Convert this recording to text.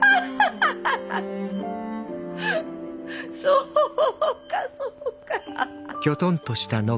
そうかそうか。